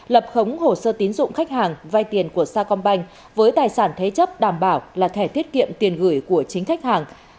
lập khống hồ sơ tín dụng khách hàng vai tiền của sa công banh với tài sản thế chấp đảm bảo là thẻ thiết kiệm tiền gửi của chính khách hàng